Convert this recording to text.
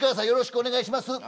よろしくお願いします。